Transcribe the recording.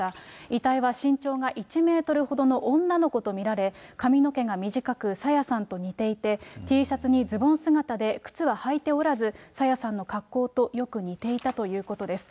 遺体は身長が１メートルほどの女の子と見られ、髪の毛が短く、朝芽さんと似ていて、Ｔシャツにズボン姿で、靴は履いておらず、朝芽さんの格好とよく似ていたということです。